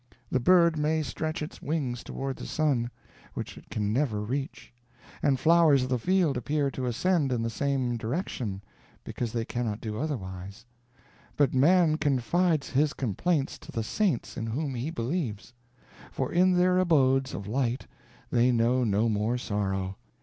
The bird may stretch its wings toward the sun, which it can never reach; and flowers of the field appear to ascend in the same direction, because they cannot do otherwise; but man confides his complaints to the saints in whom he believes; for in their abodes of light they know no more sorrow.